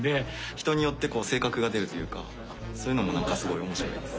人によって性格が出るというかそういうのもなんかすごい面白いです。